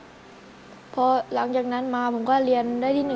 อเรนนี่ส์พอหลังจากนั้นมาผมก็เรียนได้ที่๑ที่๒เลยครับ